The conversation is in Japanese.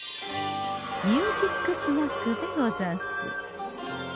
「ミュージックスナック」でござんす。